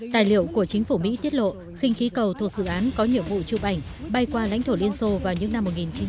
tài liệu của chính phủ mỹ tiết lộ khinh khí cầu thuộc dự án có nhiệm vụ chụp ảnh bay qua lãnh thổ liên xô vào những năm một nghìn chín trăm bảy mươi